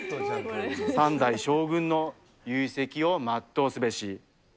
３代将軍のを全うすべし。